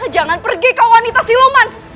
jangan pergi ke wanita siluman